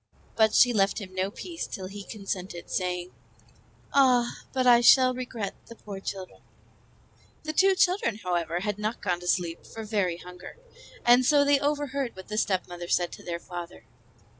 But she left him no peace till he consented saying, "Ah, but I shall regret the poor children." The two children, however, had not gone to sleep for very hunger, and so they overheard what the stepmother said to their father.